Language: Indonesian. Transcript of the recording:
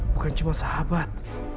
bukan cuma sahabat